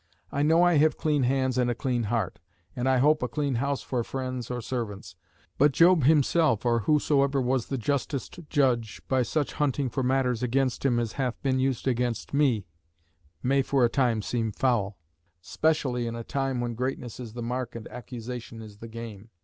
I know I have clean hands and a clean heart, and I hope a clean house for friends or servants. But Job himself, or whosoever was the justest judge, by such hunting for matters against him as hath been used against me, may for a time seem foul, specially in a time when greatness is the mark and accusation is the game.